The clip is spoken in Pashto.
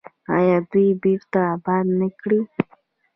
آیا دوی بیرته اباد نه کړل؟